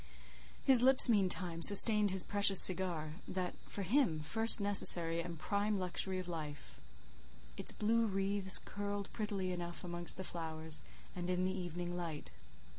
His lips meantime sustained his precious cigar, that (for him) first necessary and prime luxury of life; its blue wreaths curled prettily enough amongst the flowers, and in the evening light.